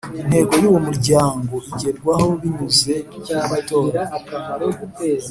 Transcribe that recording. Intego y uwo Muryango igerwaho binyuze mumatora